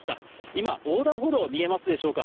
今、横断歩道、見えますでしょうか。